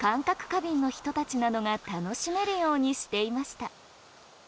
過敏の人たちが楽しめるようにしていました。